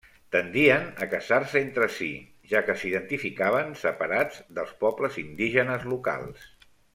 Tendien a casar-se entre si, ja que s'identificaven separats dels pobles indígenes locals.